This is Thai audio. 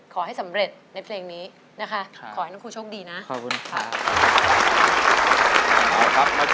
ขอให้สำเร็จในเพลงนี้พอให้ครูโชคดีนะ